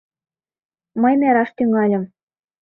Мый нераш тӱҥальым.